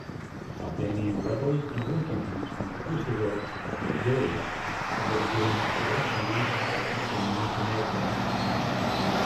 Albanian rebels and refugees from the Kosovo Vilayet had been given refuge in Montenegro.